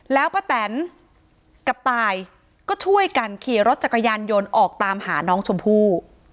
แล้วป้าแตนกับตายก็ช่วยกันขี่รถจักรยานยนต์ออกตามหาน้องชมพู่